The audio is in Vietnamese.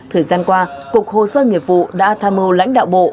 thời gian qua cục hồ sơ nghiệp vụ đã tham mưu lãnh đạo bộ